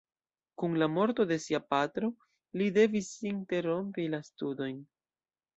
Kun la morto de sia patro, li devis interrompi la studojn.